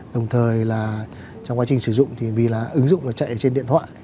đồng thời trong quá trình sử dụng vì ứng dụng chạy trên điện thoại